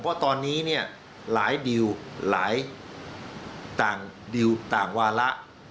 เพราะตอนนี้เนี่ยหลายดิวหลายต่างดิวต่างวาระ